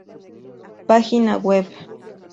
Página Web.